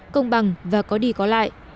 công bằng và có đi có lại